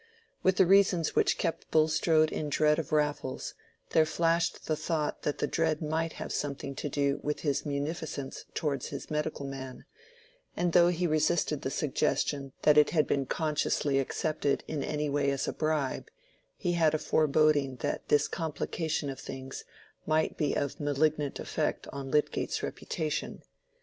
With the reasons which kept Bulstrode in dread of Raffles there flashed the thought that the dread might have something to do with his munificence towards his medical man; and though he resisted the suggestion that it had been consciously accepted in any way as a bribe, he had a foreboding that this complication of things might be of malignant effect on Lydgate's reputation.